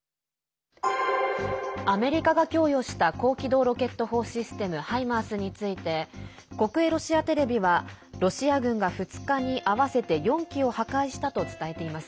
アメリカが供与した高機動ロケット砲システム「ハイマース」について国営ロシアテレビはロシア軍が２日に、合わせて４基を破壊したと伝えています。